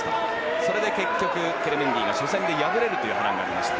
それで結局ケルメンディが初戦で敗れる波乱がありました。